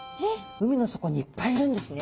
海の底にいっぱいいるんですね。